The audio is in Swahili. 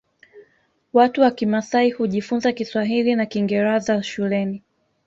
Watu wa kimasai hujifunza kiswahili na kingeraza shuleni